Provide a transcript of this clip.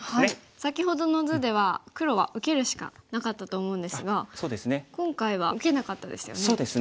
先ほどの図では黒は受けるしかなかったと思うんですが今回は受けなかったですよね。